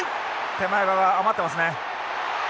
手前側余ってますね。